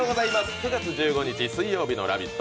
９月１５日水曜日の「ラヴィット！」